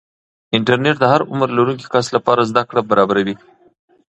انټرنیټ د هر عمر لرونکي کس لپاره زده کړه برابروي.